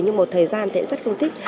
nhưng một thời gian thì rất không thích